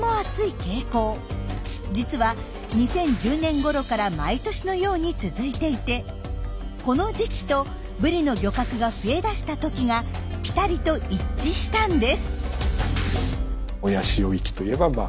傾向実は２０１０年ごろから毎年のように続いていてこの時期とブリの漁獲が増えだした時がぴたりと一致したんです。